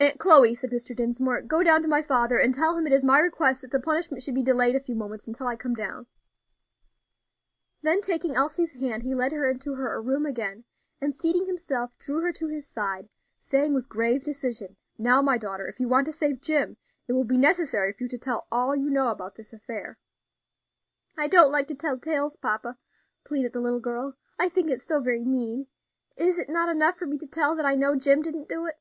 "Aunt Chloe," said Mr. Dinsmore, "go down to my father, and tell him it is my request that the punishment should be delayed a few moments until I come down." Then taking Elsie's hand, he led her into her room again, and seating himself, drew her to his side, saying, with grave decision, "Now, my daughter, if you want to save Jim, it will be necessary for you to tell all you know about this affair." "I don't like to tell tales, papa," pleaded the little girl; "I think it so very mean. Is it not enough for me to tell that I know Jim didn't do it?"